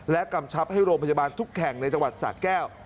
กำชับให้โรงพยาบาลทุกแห่งในจังหวัดสะแก้ว